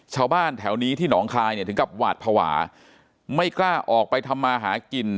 ชาวบ้านแถวนี้ที่หนองคายเนี่ยถึงกับหวาดภาวะไม่กล้าออกไปทำมาหากิน